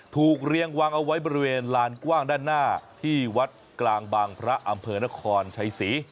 เรียงวางเอาไว้บริเวณลานกว้างด้านหน้าที่วัดกลางบางพระอำเภอนครชัยศรี